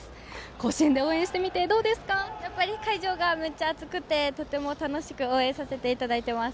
甲子園で応援してみて会場がめっちゃ暑くてとても楽しく応援させていただいています。